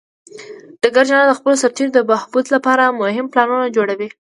ډګر جنرال د خپلو سرتیرو د بهبود لپاره مهم پلانونه جوړوي.